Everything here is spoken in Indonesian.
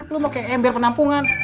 lu mau kayak ember penampungan